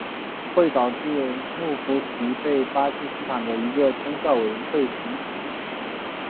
会面导致穆夫提被巴基斯坦一个宗教委员会停职。